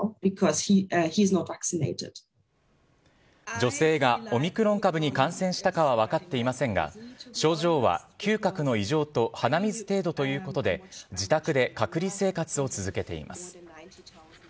女性がオミクロン株に感染したかは分かっていませんが症状は嗅覚の異常と鼻水程度ということで自宅で隔離生活を続けています。